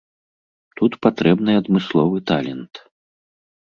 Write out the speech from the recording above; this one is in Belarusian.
Тут патрэбны адмысловы талент.